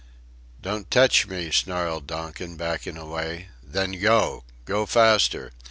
"Don't tech me," snarled Donkin, backing away. "Then go. Go faster."